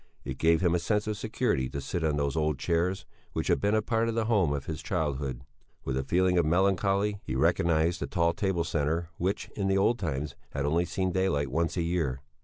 It gave him a sense of security to sit on those old chairs, which had been a part of the home of his childhood. With a feeling of melancholy he recognized the tall table centre which in the old times had only seen daylight once a year.